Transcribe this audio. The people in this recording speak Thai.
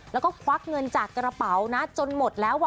แล้วก็ควักเงินจากกระเป๋านะจนหมดแล้ว